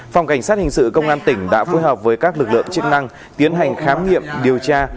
phòng cảnh sát hình sự công an tỉnh đã phối hợp với các lực lượng chức năng tiến hành khám nghiệm điều tra